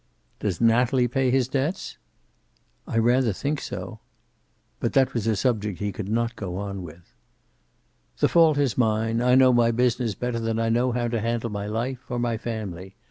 "Does Natalie pay his debts?" "I rather think so." But that was a subject he could not go on with. "The fault is mine. I know my business better than I know how to handle my life, or my family.